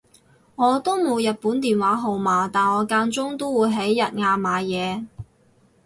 我都冇日本電話號碼但我間中都會喺日亞買嘢